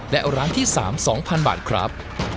และร้านที่๓สองพันบาทครับ